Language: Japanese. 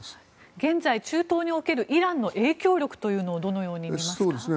現在、中東におけるイランの影響力というのをどのように見ますか？